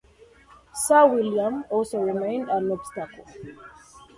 Sir William also remained an obstacle.